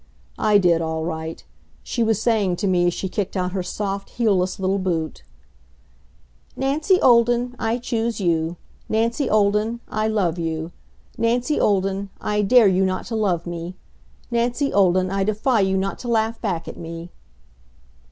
I did, all right. She was saying to me as she kicked out her soft, heelless little boot: "Nancy Olden, I choose you. Nancy Olden, I love you. Nancy Olden, I dare you not to love me. Nancy Olden, I defy you not to laugh back at me!"